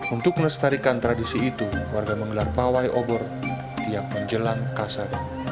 untuk melestarikan tradisi itu warga menggelar pawai obor tiap menjelang kasar